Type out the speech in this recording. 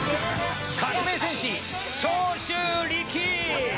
革命戦士、長州力！